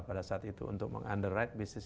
pada saat itu untuk meng underight bisnis